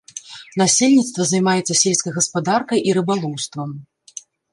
Насельніцтва займаецца сельскай гаспадаркай і рыбалоўствам.